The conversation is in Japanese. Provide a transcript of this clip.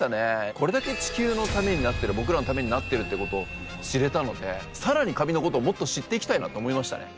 これだけ地球のためになってる僕らのためになってるっていうことを知れたのでさらにカビのことをもっと知っていきたいなと思いましたね。